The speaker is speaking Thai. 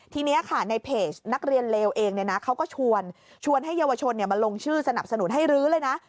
ทีนี้ค่ะในเพจนักเรียนเลวเองเขาก็ชวนให้เยาวชนมาลงชื่อสนับสนุนให้รื้อเลยนะ